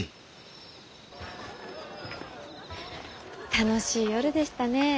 楽しい夜でしたね。